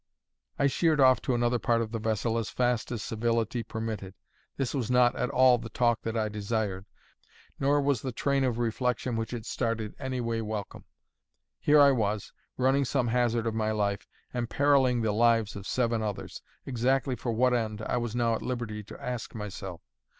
I sheered off to another part of the vessel as fast as civility permitted. This was not at all the talk that I desired, nor was the train of reflection which it started anyway welcome. Here I was, running some hazard of my life, and perilling the lives of seven others; exactly for what end, I was now at liberty to ask myself.